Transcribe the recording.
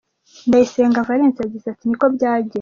Ndayisenga Valens yagize ati “Ni ko byagenze.